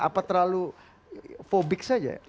apa terlalu phobic saja